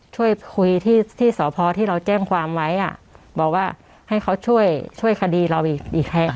ช่วยคุยที่ที่สพที่เราแจ้งความไว้บอกว่าให้เขาช่วยช่วยคดีเราอีกแห่ง